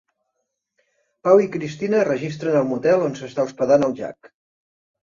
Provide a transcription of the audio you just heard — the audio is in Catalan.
Paul i Cristina es registren al motel on s'està hospedant el Jack.